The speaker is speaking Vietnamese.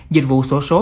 dịch vụ sổ số